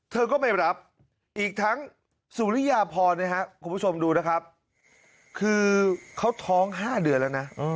เธอก็ไม่รับอีกทั้งสุริยาพรนะครับคุณผู้ชมดูนะครับคือเขาท้อง๕เดือนแล้วนะ